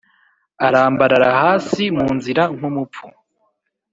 arambarara hasi mu nzira nkumupfu